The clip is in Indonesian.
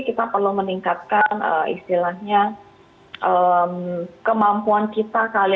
kita perlu meningkatkan istilahnya kemampuan kita kali